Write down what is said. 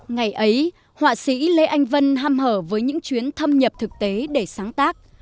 ngày ấy họa sĩ lê anh vân hăm hở với những chuyến thâm nhập thực tế để sáng tác